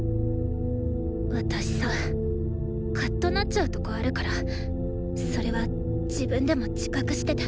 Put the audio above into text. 私さカッとなっちゃうとこあるからそれは自分でも自覚してて。